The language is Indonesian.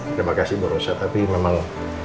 terima kasih bu rosa tapi memang